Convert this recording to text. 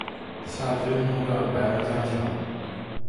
夏军弄断白龙江桥。